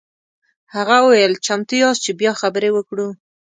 هغه وویل چمتو یاست چې بیا خبرې وکړو.